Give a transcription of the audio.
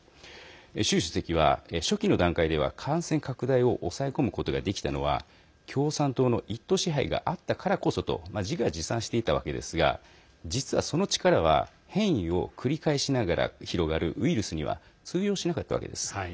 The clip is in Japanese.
習主席は初期の段階では感染拡大を抑え込むことができたのは共産党の一党支配があったからこそと自画自賛していたわけですが実は、その力は変異を繰り返しながら広がるウイルスには通用しなかったわけです。